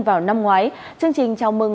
vào năm ngoái chương trình chào mừng